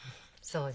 そう！